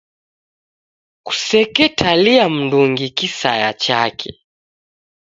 Kuseketalia mndungi kisaya chake.